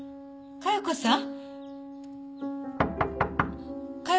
加代子さん。